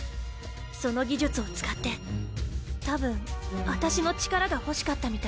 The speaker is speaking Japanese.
その技術を使って多分私の力が欲しかったみたい。